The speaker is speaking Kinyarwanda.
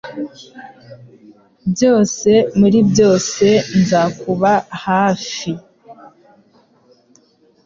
Byose muri byose nzakuba hafi